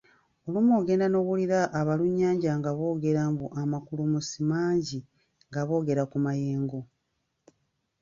Olumu ogenda n’owulira abalunnyanja nga boogera mbu amakulumusi mangi nga boogera ku mayengo.